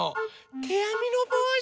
てあみのぼうし？